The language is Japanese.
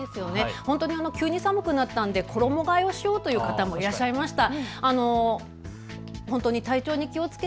急に寒くなったので衣がえをしようという方もいらっしゃいました。